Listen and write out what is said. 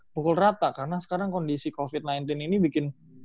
pukul rata karena sekarang kondisi covid sembilan belas ini bikin